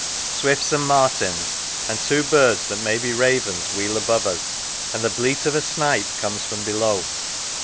Swifts and martins and two birds that may be ravens wheel above us, and the bleat of a snipe comes from below.